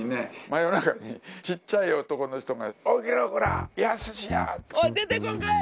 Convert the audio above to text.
真夜中にちっちゃい男の人が、出てこんかい。